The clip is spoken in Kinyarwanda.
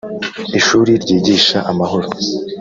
Ishuri ryigisha amahoro